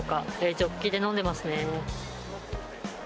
ジョッキで飲んでますね。